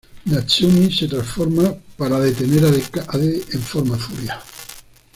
Natsumi se transforma para detener a Decade en Forma Furia.